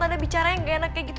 anda bicara yang gak enak kayak gitu